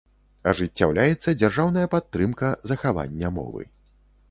Ажыццяўляецца дзяржаўная падтрымка захавання мовы.